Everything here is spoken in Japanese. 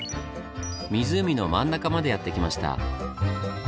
湖の真ん中までやって来ました。